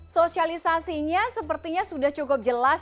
sosialisasinya sepertinya sudah cukup jelas